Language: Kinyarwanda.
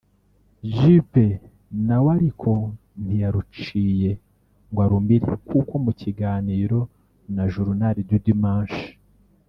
Juppé nawe ariko ntiyaruciye ngo arumire kuko mu kiganiro na Journal du Dimanche